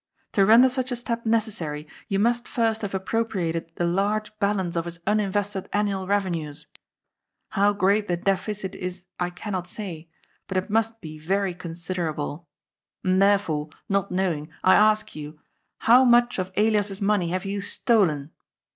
To render such a step necessary, you must first have appropriated the large balance of his uninvested annual revenues. How great the deficit is I cannot say, but it must be very considerable. And therefore, not knowing, I ask you : How much of Elias's money have you stolen?"